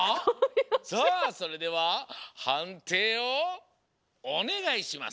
さあそれでははんていをおねがいします。